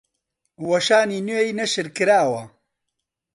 وەشانی نوێی نەشر کراوە